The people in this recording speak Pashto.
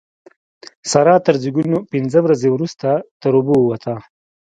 سارا تر زېږون پينځه ورځې روسته تر اوبو ووته.